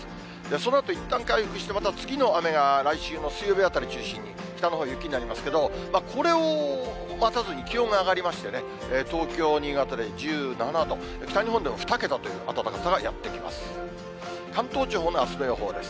そのあといったん回復して、次の雨が来週の水曜日あたりを中心に、北のほう、雪になりますけれども、これを待たずに気温が上がりまして、東京、新潟で１７度、北日本でも２桁という暖かさがやって来ます。